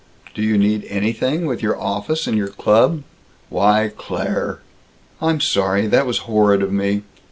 "Do you need anything, with your office and your club?" "Why, Claire!" "I'm sorry. That was horrid of me."